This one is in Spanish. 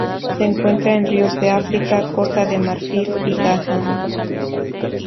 Se encuentran en ríos de África: Costa de Marfil y Ghana.